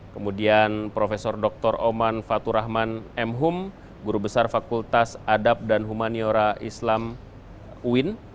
kemudian prof dr oman fatur rahman m hum guru besar fakultas adab dan humaniora islam uin